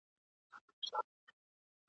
د جګړې ډګر له ویني او خټو ډک وو.